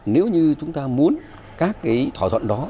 nếu như chúng ta muốn các thỏa thuận đó